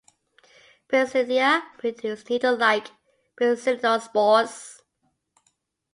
Pycnidia produce needle-like pycnidiospores.